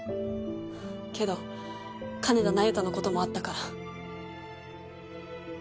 けど金田那由他のこともあったから。